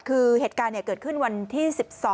คือเหตุการณ์เกิดขึ้นวันที่๑๒